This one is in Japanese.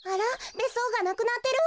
べっそうがなくなってるわ。